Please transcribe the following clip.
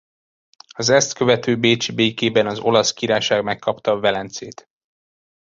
Az ezt követő bécsi békében az Olasz Királyság megkapta Velencét.